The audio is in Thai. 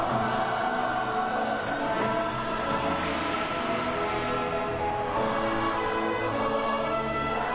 อาเมนอาเมน